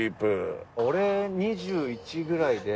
俺２１ぐらいで。